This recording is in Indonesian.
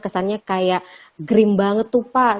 kesannya kayak krim banget tuh pak